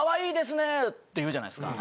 って言うじゃないですか。